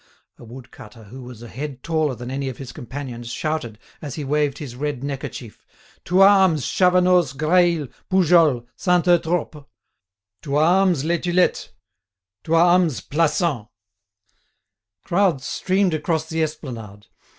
A wood cutter, who was a head taller than any of his companions, shouted, as he waved his red neckerchief: "To arms, Chavanoz, Graille, Poujols, Saint Eutrope! To arms, Les Tulettes! To arms, Plassans!" Crowds streamed across the esplanade.